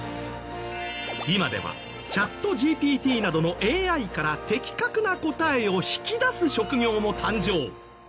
今ではチャットＧＰＴなどのＡＩから的確な答えを引き出す職業も誕生。